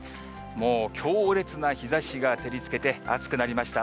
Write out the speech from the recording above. もう強烈な日ざしが照りつけて、暑くなりました。